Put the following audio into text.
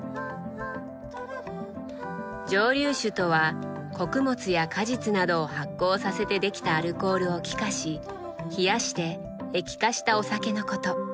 蒸留酒とは穀物や果実などを発酵させてできたアルコールを気化し冷やして液化したお酒のこと。